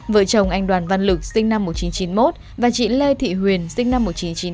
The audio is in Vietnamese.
vợ chồng anh đoàn văn lực sinh năm một nghìn chín trăm chín mươi một và chị lê thị huyền sinh năm một nghìn chín trăm chín mươi